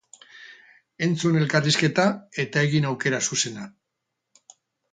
Entzun elkarrizketa eta egin aukera zuzena.